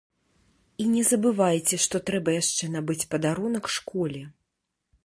І не забывайце, што трэба яшчэ набыць падарунак школе.